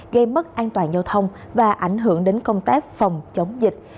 gây mất an toàn giao thông và ảnh hưởng đến công tác phòng chống dịch